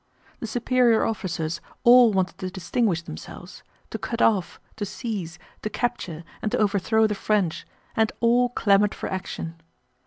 The superior officers all wanted to distinguish themselves, to cut off, to seize, to capture, and to overthrow the French, and all clamored for action.